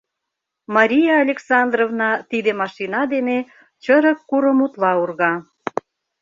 Мария Александровна тиде машина дене чырык курым утла урга.